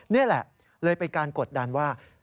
นี่แหละเลยเป็นการกดดันว่า